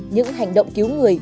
những hành động cứu người